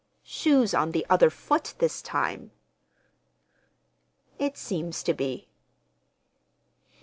"Shoe's on the other foot this time." "It seems to be."